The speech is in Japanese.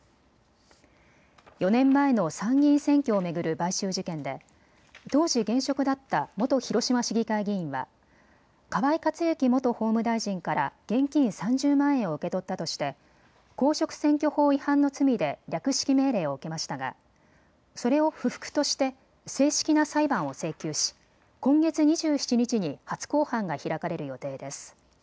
４年前の参議院選挙を巡る買収事件で当時、現職だった元広島市議会議員は河井克行元法務大臣から現金３０万円を受け取ったとして公職選挙法違反の罪で略式命令を受けましたがそれを不服として正式な裁判を請求し今月２７日に初公判が開かれる予定です。